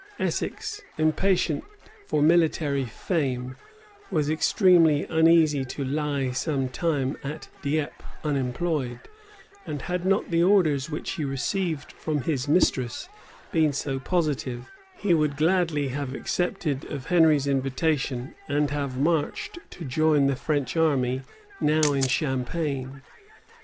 Essex, impatient for military fame, was extremely uneasy to lie some time at Dieppe unemployed; and had not the orders which he received from his mistress been so positive, he would gladly have accepted of Henry's invitation, and have marched to join the French army now in Champagne.